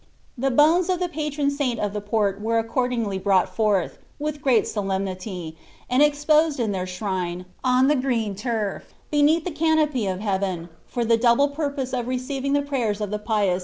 The bones of the pawai aaint of the port were accordingly brought forth, wilh great eolcmmty, an*) exposnl in their shrine, on the green turf, beneath the canopy m heavFiii for the double purpose of receiving the pmyers of the pious at ' ■Waw.